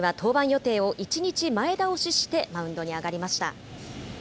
大谷は登板予定を１日前倒ししてマウンドに上がりました。